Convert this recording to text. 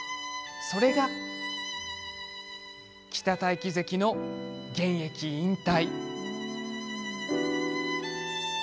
それが、北太樹関の現役引退。